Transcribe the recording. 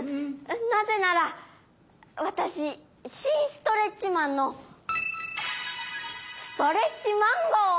なぜならわたししんストレッチマンのストレッチマンゴー！